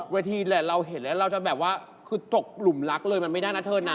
เวลาเราเห็นแล้วเราจะแบบว่าคือตกหลุมรักเลยมันไม่ได้นะเธอนะ